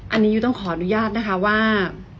อันนี้ยุ้ยต้องขออนุญาตนะคะว่า